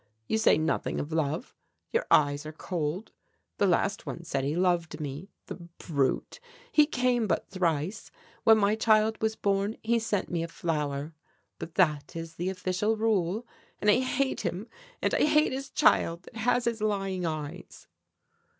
You say nothing of love your eyes are cold. The last one said he loved me the brute! He came but thrice, when my child was born he sent me a flower. But that is the official rule. And I hate him, and hate his child that has his lying eyes."